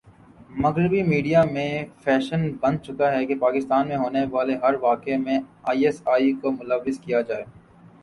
مغربی میڈیا میں فیشن بن چکا ہے کہ پاکستان میں ہونے والےہر واقعہ میں آئی ایس آئی کو ملوث کیا جاۓ